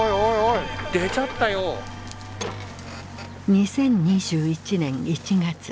２０２１年１月。